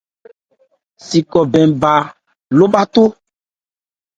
Sɛ khó bɛn bha lo bháthó.